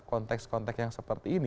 konteks konteks yang seperti ini